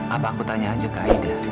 apa aku tanya aja ke aida